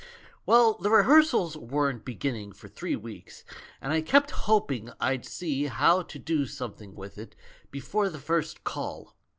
"Well, the rehearsals weren't beginning for three weeks, and I kept hoping I'd see how to do something with it before the first call.